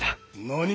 何？